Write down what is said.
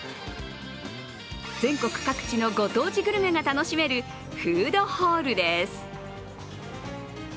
全国各地のご当地グルメが楽しめるフードホールです。